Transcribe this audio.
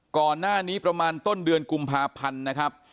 ก่อนหน้านี้ประมาณต้นเดือนกุมภาพันธ์นะครับ